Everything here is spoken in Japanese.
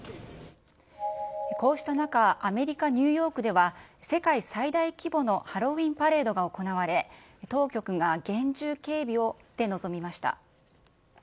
こうした中、アメリカ・ニューヨークでは、世界最大規模のハロウィーンパレードが行われ、当局が厳重警備で臨みました。